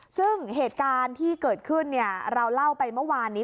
ซึ่งเหตุการณ์ที่เกิดขึ้นเราเล่าไปเมื่อวานนี้